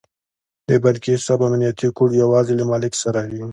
د بانکي حساب امنیتي کوډ یوازې له مالیک سره وي.